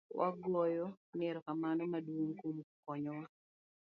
Wagoyo ni erokamano maduong' kuom konyo wa